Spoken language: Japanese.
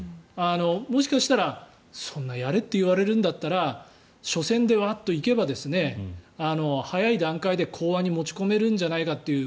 もしかしたらそんなにやれと言われるんだったら緒戦でワッと行けば早い段階で講和に持ち込めるんじゃないかという。